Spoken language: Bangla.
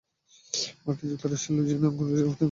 মার্কিন যুক্তরাষ্ট্রের লুইজিয়ানা অঙ্গরাজ্যের জাতীয় ফুল এটি।